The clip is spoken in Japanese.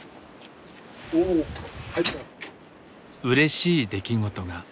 うれしい出来事が。